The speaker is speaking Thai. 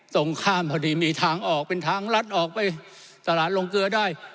ตรงข้ามพอดีมีทางออกเป็นทางลัดออกไปตลาดลงเกลือได้